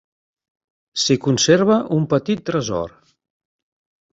S'hi conserva un petit tresor.